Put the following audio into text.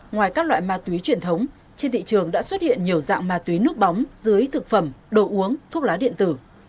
ngoài các loại ma túy truyền thống trên thị trường đã xuất hiện nhiều dạng ma túy nước bóng dưới thực phẩm đồ uống thuốc lá điện tử